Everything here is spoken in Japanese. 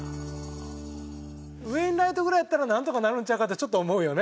ウェインライトぐらいだったらなんとかなるんちゃうかってちょっと思うよね。